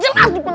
apa sih sun